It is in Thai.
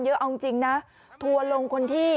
เยอะอร่องจริงถัวลงคนที่